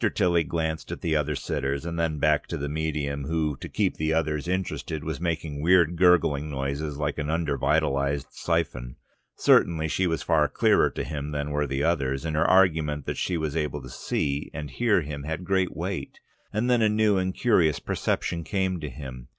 Tilly glanced at the other sitters and then back to the medium, who, to keep the others interested, was making weird gurgling noises like an undervitalised siphon. Certainly she was far clearer to him than were the others, and her argument that she was able to see and hear him had great weight. And then a new and curious perception came to him.